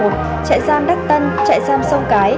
trại giam đắc tân trại giam sông cái